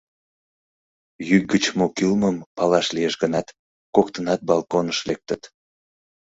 Йӱк гыч мо кӱлмым палаш лиеш гынат, коктынат балконыш лектыт.